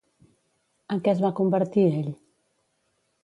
En què es va convertir ell?